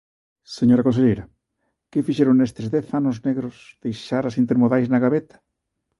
Señora conselleira, ¿que fixeron nestes dez anos negros, deixar as intermodais na gabeta?